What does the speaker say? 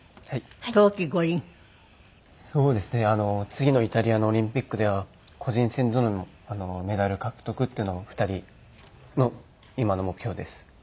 次のイタリアのオリンピックでは個人戦でのメダル獲得っていうのも２人の今の目標です。